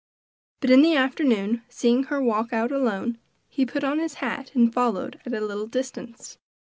But in the afternoon, seeing her walk out alone, he put on his hat and followed at a little distance.